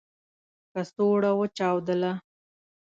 کڅوړه و چاودله .